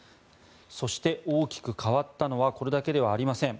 そして、大きく変わったのはこれだけではありません。